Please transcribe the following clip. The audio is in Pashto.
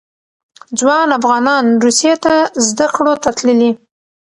ځوان افغانان روسیې ته زده کړو ته تللي.